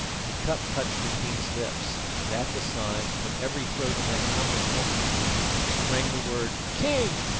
The cup touched the king's lips, and at the sign from every throat in that countless multitude sprang the word "_King!